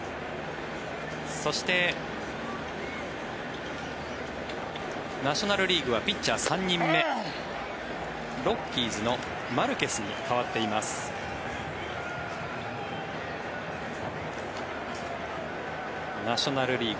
そして、ナショナル・リーグはピッチャー３人目ロッキーズのマルケスに代わっています。ナショナル・リーグ